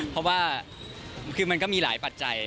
เพราะว่าคือมันก็มีหลายปัจจัย